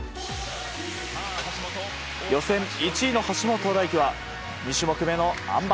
予選１位の橋本大輝は２種目めのあん馬。